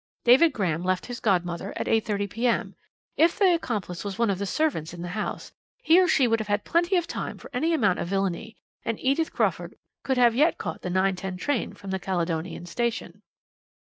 David Graham left his godmother at 8.30 p.m. If the accomplice was one of the servants in the house, he or she would have had plenty of time for any amount of villainy, and Edith Crawford could have yet caught the 9.10 p.m. train from the Caledonian Station."